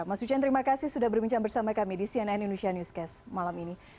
mas ucen terima kasih sudah berbincang bersama kami di cnn indonesia newscast malam ini